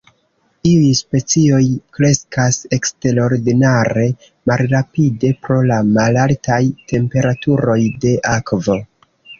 Iuj specioj kreskas eksterordinare malrapide pro la malaltaj temperaturoj de akvo.